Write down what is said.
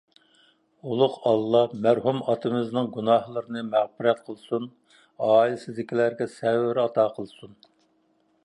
ئۇلۇغ ئاللاھ مەرھۇم ئاتىمىزنىڭ گۇناھلىرىنى مەغپىرەت قىلسۇن. ئائىلىسىدىكىلەرگە سەۋر ئاتا قىلسۇن.